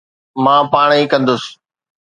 مان پاڻ ئي ڪندس